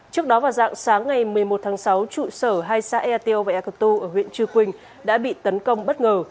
trước đó vào dạng sáng ngày một mươi một tháng sáu trụ sở hai xã ateo và ekotu ở huyện trư quynh đã bị tấn công bất ngờ